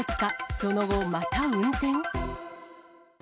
その後また運転？